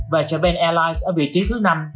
và japan airlines ở vị trí thứ năm